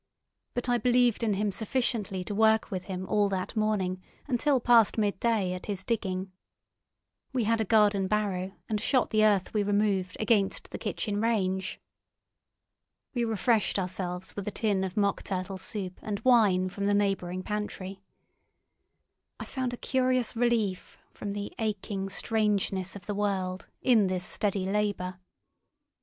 But I believed in him sufficiently to work with him all that morning until past midday at his digging. We had a garden barrow and shot the earth we removed against the kitchen range. We refreshed ourselves with a tin of mock turtle soup and wine from the neighbouring pantry. I found a curious relief from the aching strangeness of the world in this steady labour.